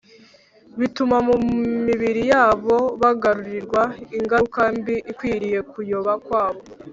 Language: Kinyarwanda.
bituma mu mibiri yabo bagarurirwa ingaruka mbi ikwiriye kuyoba kwabo.